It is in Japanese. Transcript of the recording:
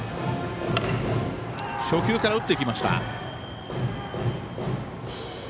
初球から打ってきました。